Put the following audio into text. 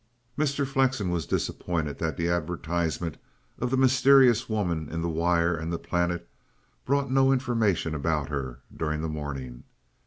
Mr. Flexen was disappointed that the advertisement of the mysterious woman in the Wire and the Planet brought no information about her during the morning.